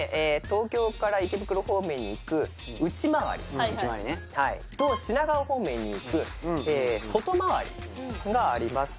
東京から池袋方面に行く内回りと品川方面に行く外回りがあります